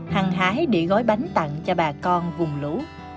hăng hái để gói bánh tặng cho bà con vùng lũ